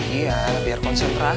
liat gue cabut ya